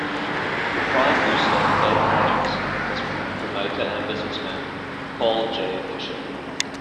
The prime booster of both projects was promoter and businessman Carl G. Fisher.